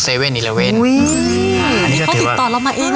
อันนี้เขาติดต่อเรามาเอง